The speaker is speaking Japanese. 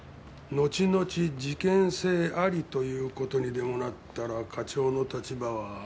事件性ありという事にでもなったら課長の立場は。